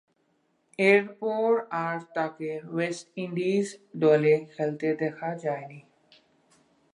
এরপর আর তাকে ওয়েস্ট ইন্ডিজ দলে খেলতে দেখা যায়নি।